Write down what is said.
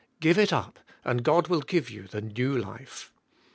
Give it up and God will g^ive you the new life.